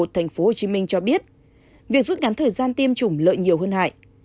thành phố hồ chí minh cho biết việc rút ngắn thời gian tiêm chủng lợi nhiều hơn hại